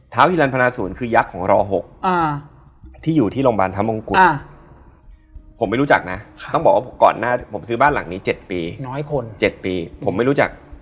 แต่รู้ว่าเหตุการณ์มันหนักหน่วงมาก